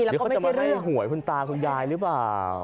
หรือเขาจะมารีหวยคุณตาคุณยายหรือเปล่า